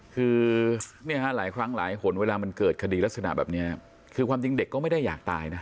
คือเนี่ยฮะหลายครั้งหลายหนเวลามันเกิดคดีลักษณะแบบนี้คือความจริงเด็กก็ไม่ได้อยากตายนะ